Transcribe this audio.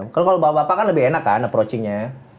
kalau bapak bapak kan lebih enak kan approachingnya